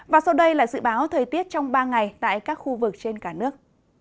và sau đây là dự báo thời tiết trong ba ngày tại các khu vực trên cả nước